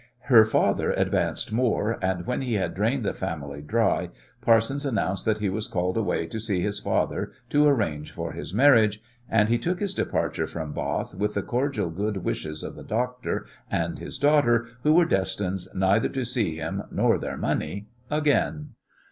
Her father advanced more, and when he had drained the family dry Parsons announced that he was called away to see his father to arrange for his marriage, and he took his departure from Bath with the cordial good wishes of the doctor and his daughter, who were destined neither to see him nor their money again.